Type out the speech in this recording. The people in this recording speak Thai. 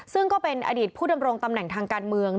ซึ่งก็เป็นอดีตผู้ดำรงตำแหน่งทางการเมือง